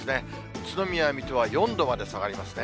宇都宮、水戸は４度まで下がりますね。